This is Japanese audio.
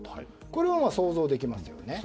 これは想像できますよね。